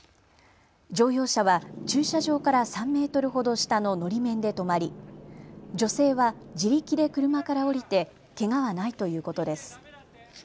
乗用車は駐車場から３メートルほど下ののり面で止まり、女性は自力で車から降りてけがはないということです。